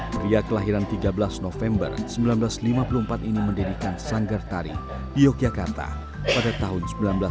pria kelahiran tiga belas november seribu sembilan ratus lima puluh empat ini mendirikan sanggar tari di yogyakarta pada tahun seribu sembilan ratus sembilan puluh